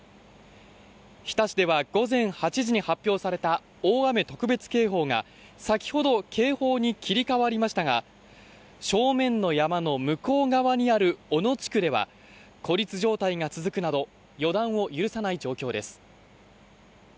日田市では午前８時に発表された大雨特別警報が先ほど警報に切り替わりましたが、正面の山の向こう側にある、小野地区では、孤立状態が続くなど予断を許さない状況です。